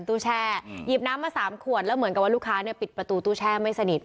ตู้แช่หยิบน้ำมาสามขวดแล้วเหมือนกับว่าลูกค้าเนี่ยปิดประตูตู้แช่ไม่สนิท